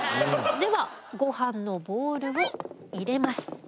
ではごはんのボールを入れます。